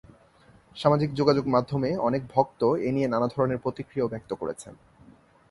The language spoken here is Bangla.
সামাজিক যোগাযোগমাধ্যমে অনেক ভক্ত এ নিয়ে নানা ধরনের প্রতিক্রিয়াও ব্যক্ত করেছেন।